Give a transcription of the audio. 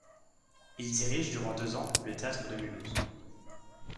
Il dirige durant deux ans le Théâtre de Mulhouse.